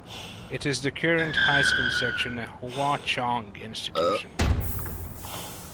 It is the current high school section in Hwa Chong Institution.